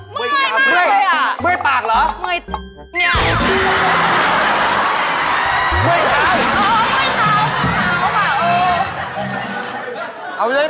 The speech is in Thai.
มืดตรงเนี่ย